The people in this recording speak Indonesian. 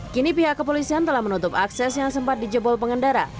kini pihak kepolisian telah menutup akses yang sempat dijebol pengendara